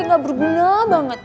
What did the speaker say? gak berguna banget